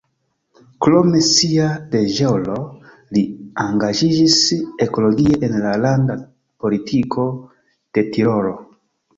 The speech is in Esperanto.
Krom sia deĵoro li engaĝiĝis ekologie en la landa politiko de Tirolo.